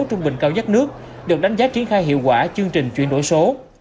trung bình cao nhất nước được đánh giá triển khai hiệu quả chương trình chuyển đổi số